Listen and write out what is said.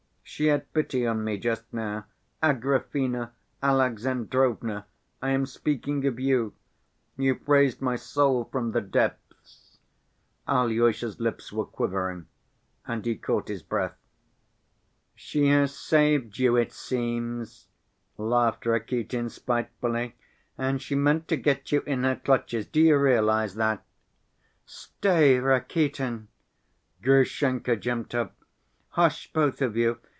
She had pity on me just now.... Agrafena Alexandrovna, I am speaking of you. You've raised my soul from the depths." Alyosha's lips were quivering and he caught his breath. "She has saved you, it seems," laughed Rakitin spitefully. "And she meant to get you in her clutches, do you realize that?" "Stay, Rakitin." Grushenka jumped up. "Hush, both of you.